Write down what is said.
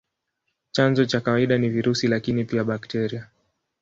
Chanzo cha kawaida ni virusi, lakini pia bakteria.